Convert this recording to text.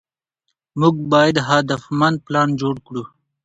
موږ باید هدفمند پلان جوړ کړو.